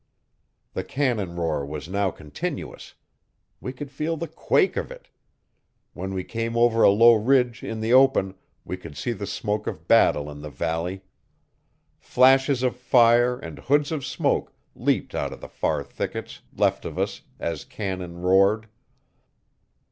The cannon roar was now continuous. We could feel the quake of it. When we came over a low ridge, in the open, we could see the smoke of battle in the valley. Flashes of fire and hoods of smoke leaped out of the far thickets, left of us, as cannon roared.